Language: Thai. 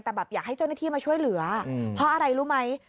แต่แบบอยากให้เจ้าหน้าที่มาช่วยเหลือเพราะอะไรรู้ไหม